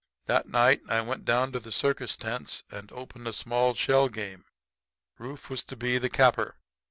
"That night I went down to the circus tents and opened a small shell game. Rufe was to be the capper.